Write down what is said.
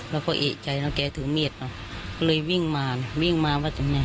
แล้วก็เอกใจนะแกถือเมฆเนาะเลยวิ่งมาวิ่งมาว่าจะไง